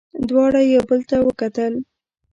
دواړو یو بل ته وکتل.